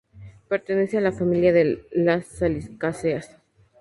Pertenece a la familia de las salicáceas.